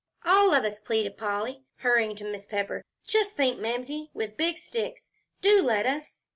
"All of us," pleaded Polly, hurrying to Mrs. Pepper; "just think, Mamsie, with big sticks. Do let us."